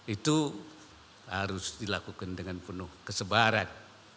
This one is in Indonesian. itu harus dilakukan dengan penuh kesebaran